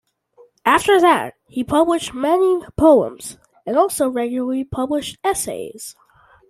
After that, he published many poems, and also regularly published essays.